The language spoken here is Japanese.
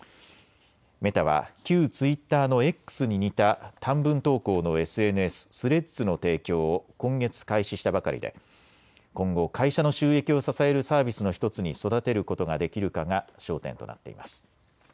メタは旧ツイッターのＸに似た短文投稿のＳＮＳ、スレッズの提供を今月開始したばかりで今後、会社の収益を支えるサービスの１つに育てることができるかが焦点となっています。